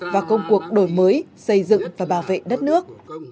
và công cuộc đổi mới xây dựng và bảo vệ đất nước